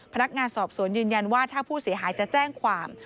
พนักงานสอบสวนยืนยันว่าถ้าผู้เสียหายจะแจ้งความ